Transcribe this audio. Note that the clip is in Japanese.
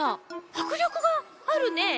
はくりょくがあるね。